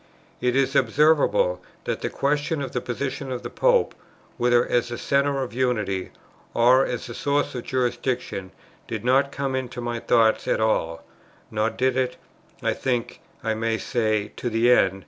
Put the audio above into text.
It is observable that the question of the position of the Pope, whether as the centre of unity, or as the source of jurisdiction, did not come into my thoughts at all; nor did it, I think I may say, to the end.